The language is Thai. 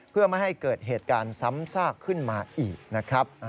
เพื่อไม่ให้เกิดเหตุการณ์ซ้ำซากขึ้นมาอีกนะครับ